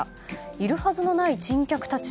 いるはずのない珍客たち